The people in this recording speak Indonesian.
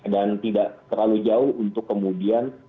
dan tidak terlalu jauh untuk kemudian